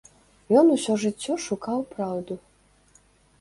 Ён усё жыццё шукаў праўду.